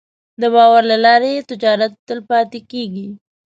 د باور له لارې تجارت تلپاتې کېږي.